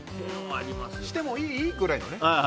してもいい？ぐらいのね。